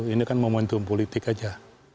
ini kan momentum politik aja